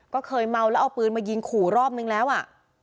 ก็เคยเมาแล้วเอาปืนมายิงขู่รอบนึงแล้วอ่ะ